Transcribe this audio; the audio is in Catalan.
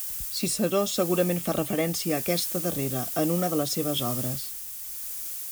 Ciceró segurament fa referència a aquesta darrera, en una de les seves obres.